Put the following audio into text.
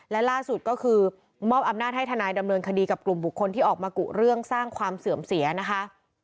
และล่าสุดก็คือมอบอำนาจให้ทนายดำเนินคดีกับกลุ่มบุคคลที่ออกมากุเรื่องสร้างความเสื่อมเสียนะคะ